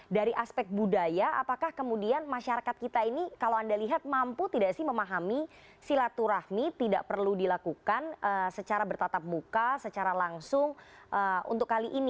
dari aspek budaya apakah kemudian masyarakat kita ini kalau anda lihat mampu tidak sih memahami silaturahmi tidak perlu dilakukan secara bertatap muka secara langsung untuk kali ini